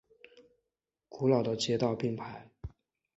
古老的街道并排。